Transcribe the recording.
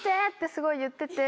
すごい言ってて。